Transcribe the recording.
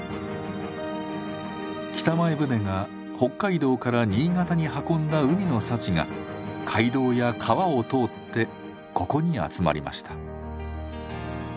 北前船が北海道から新潟に運んだ海の幸が街道や川を通ってここに集まりました。